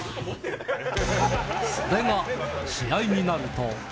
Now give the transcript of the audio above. それが試合になると。